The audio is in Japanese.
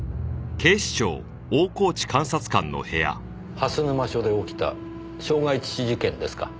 蓮沼署で起きた傷害致死事件ですか。